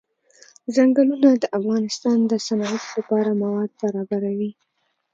ځنګلونه د افغانستان د صنعت لپاره مواد برابروي.